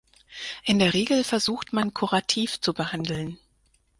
In der Regel versucht man, kurativ zu behandeln.